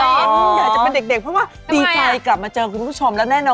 อยากจะเป็นเด็กเพราะว่าดีใจกลับมาเจอคุณผู้ชมแล้วแน่นอน